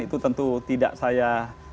itu tentu tidak saya